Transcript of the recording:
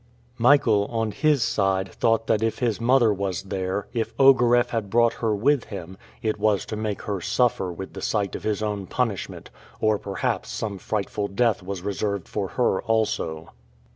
Michael, on his side, thought that if his mother was there, if Ogareff had brought her with him, it was to make her suffer with the sight of his own punishment, or perhaps some frightful death was reserved for her also.